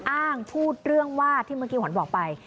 อ้างพูดเรื่องว่าที่เมื่อกี้ขวัญบอกไป